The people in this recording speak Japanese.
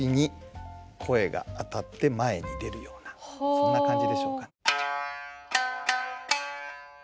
そんな感じでしょうか。